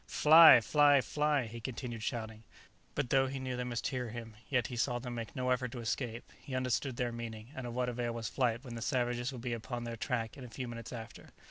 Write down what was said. "Fly, fly, fly!" he continued shouting. But though he knew they must hear him, yet he saw them make no effort to escape. He understood their meaning; of what avail was flight when the savages would be upon their track in a few minutes after?